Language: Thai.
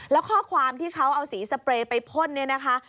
แล้วข้อความที่เขาเอาสีสเปรย์ไปพ่นเนี่ยนะคะ